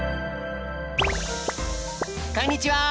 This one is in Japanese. こんにちは。